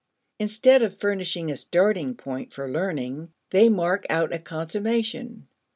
Instead of furnishing a starting point for learning, they mark out a consummation.